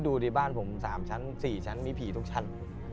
ดูในบ้านผม๓ชั้น๔ชั้นมีผีทุกชั้น